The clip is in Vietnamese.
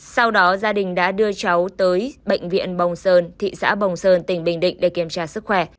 sau đó gia đình đã đưa cháu tới bệnh viện bồng sơn thị xã bồng sơn tỉnh bình định để kiểm tra sức khỏe